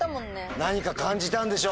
何か感じたんでしょう。